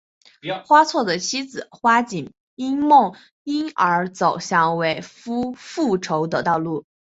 花错的妻子花景因梦因而走向为夫复仇的道路。